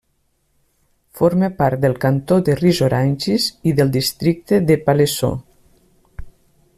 Forma part del cantó de Ris-Orangis i del districte de Palaiseau.